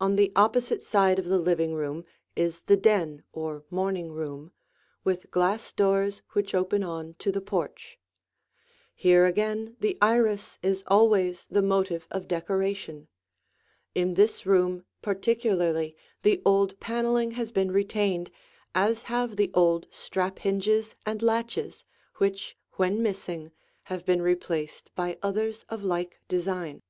On the opposite side of the living room is the den or morning room, with glass doors which open on to the porch. Here again the iris is always the motive of decoration. In this room particularly the old paneling has been retained, as have the old strap hinges and latches, which, when missing, have been replaced by others of like design.